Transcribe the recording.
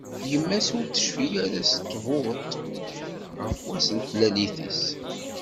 Yemma-s ur tecfi ara s ttbut ɣef wass n tlalit-is.